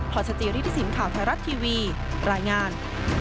พศจริริสินข่าวไทยรัฐทีวีรายงาน